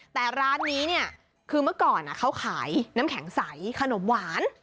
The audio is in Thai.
แต่ร้านนี้เนี่ยคือเมื่อก่อนเขาขายน้ำแข็งใสขนมหวาน